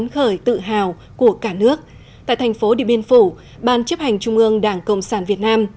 khởi tự hào của cả nước tại thành phố điện biên phủ ban chấp hành trung ương đảng cộng sản việt nam